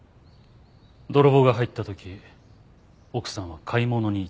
泥棒が入った時奥さんは買い物に行ってたとか。